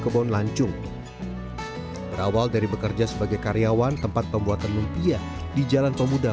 kebon lancung berawal dari bekerja sebagai karyawan tempat pembuatan lumpia di jalan pemuda